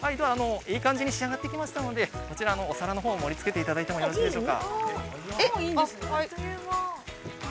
◆いい感じになってきましたので、こちらのお皿のほう盛りつけていただいてよろしいでしょうか。